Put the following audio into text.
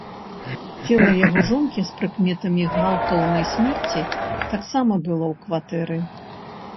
Цела яго жонкі з прыкметамі гвалтоўнай смерці таксама было ў кватэры.